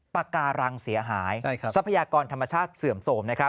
ปากการังเสียหายทรัพยากรธรรมชาติเสื่อมโสมนะครับ